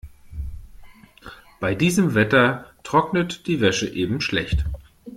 Bei diesem Wetter trocknet die Wäsche eben schlecht.